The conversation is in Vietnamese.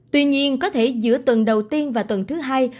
tuy nhiên có thể giữa tuần đầu tiên và tuần thứ hai